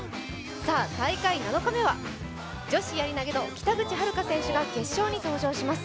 さあ、大会７日目は女子やり投の北口榛花選手が決勝に登場します